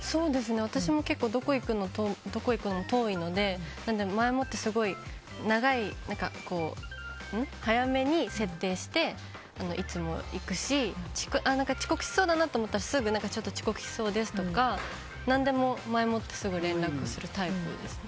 私も結構どこ行くのにも遠いので前もって、すごい早めに設定していつも行くし遅刻しそうだなと思ったらちょっと遅刻しそうですとか何でも前もってすぐ連絡するタイプですね。